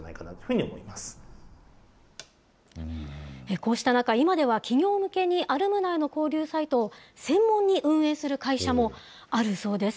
こうした中、今では企業向けにアルムナイの交流サイトを専門に運営する会社もあるそうです。